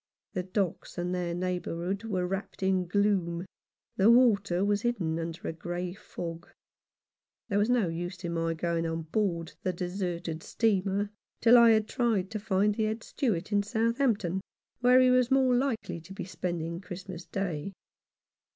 The docks and their neighbourhood were wrapped in gloom, the water was hidden under a grey fog. There was no use in my going on board the deserted steamer till I had tried to find the Head Steward in Southamp ton, where he was more likely to be spending Christmas Day.